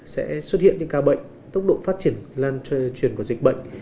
sẽ xuất hiện những ca bệnh tốc độ phát triển lan truyền của dịch bệnh